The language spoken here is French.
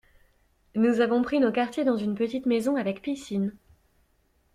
Nous avons pris nos quartiers dans une petite maison avec piscine.